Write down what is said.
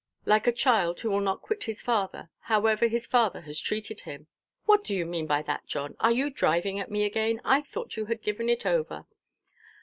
"Like a child who will not quit his father, however his father has treated him." "What do you mean by that, John? Are you driving at me again? I thought you had given it over."